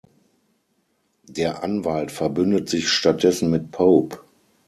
Der Anwalt verbündet sich stattdessen mit Pope.